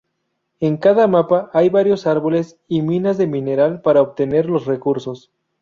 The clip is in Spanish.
En cada mapa hay varios árboles y minas de mineral para obtener los recursos.